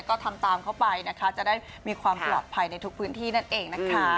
ก็ทำตามเขาไปจะได้มีความปลอดภัยในพื้นที่นั่นเอง